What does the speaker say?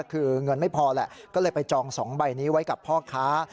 คือเงินไม่พอแหละก็เลยไปจอง๒ใบนี้ไว้กับพ่อค้า